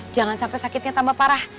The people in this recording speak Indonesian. jangan sampai sakitnya tambah parah